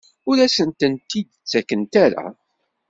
Ur asent-tent-id-ttakent ara?